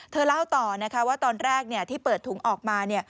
เล่าต่อนะคะว่าตอนแรกที่เปิดถุงออกมา